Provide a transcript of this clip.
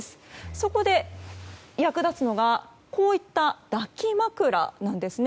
そこで、役立つのがこういった抱き枕なんですね。